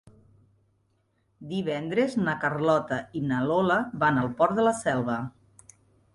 Divendres na Carlota i na Lola van al Port de la Selva.